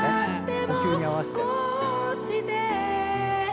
呼吸に合わして。